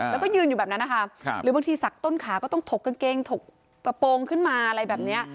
แล้วก็ยืนอยู่แบบนั้นนะคะหรือบางทีสักต้นขาก็ต้องถกกางเกงถกกระโปรงขึ้นมาอะไรแบบนี้